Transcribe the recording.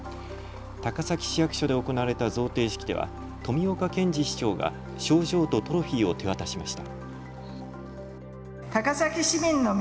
高崎市役所で行われた贈呈式では富岡賢治市長が賞状とトロフィーを手渡しました。